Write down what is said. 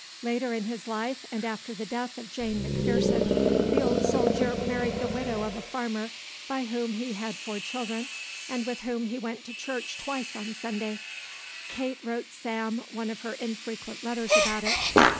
Later in his life and after the death of Jane McPherson the old soldier married the widow of a farmer by whom he had four children and with whom he went to church twice on Sunday. Kate wrote Sam one of her infrequent letters about it.